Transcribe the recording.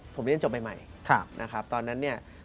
ผมเรียนจบใหม่นะครับตอนนั้นเนี่ย